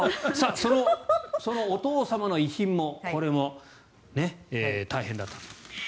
そのお父様の遺品もこれも大変だったと。